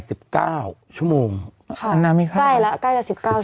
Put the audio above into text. สิบเก้าชั่วโมงค่ะนางมีภาพใกล้แล้วใกล้แล้วสิบเก้าชั่วโมง